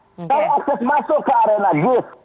kalau akses masuk ke arena bus